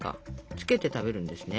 つけて食べるんですね。